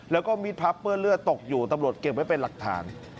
แล้วก็มิดพับเปื้อนเลือดตกอยู่ตำรวจเก็บไว้เป็นหลักฐาน